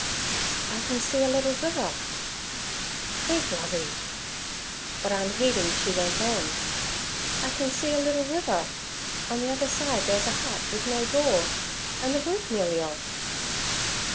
'I can see a little river.' 'Creek, Lovey.' But, unheeding, she went on: 'I can see a little river. On the other side there's a hut with no door, and the roof nearly off.'